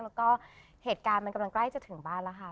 แล้วก็เหตุการณ์มันกำลังใกล้จะถึงบ้านแล้วค่ะ